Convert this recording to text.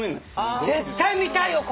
絶対見たいよ！